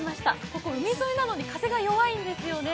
ここ海沿いなのに風が弱いんですよね。